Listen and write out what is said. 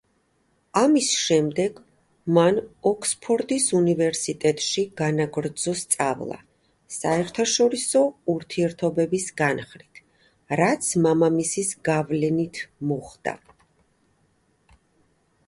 ამის შემდეგ მან ოქსფორდის უნივერსიტეტში განაგრძო სწავლა, საერთაშორისო ურთიერთობების განხრით, რაც მამამისის გავლენით მოხდა.